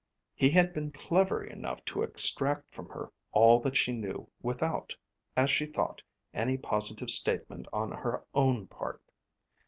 He had been clever enough to extract from her all that she knew without, as she thought, any positive statement on her own part.